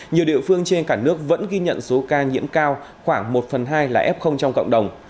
nhiều địa phương trên cả nước vẫn ghi nhận số ca nhiễm cao khoảng một phần hai là f trong cộng đồng